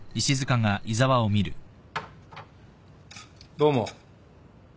どうも。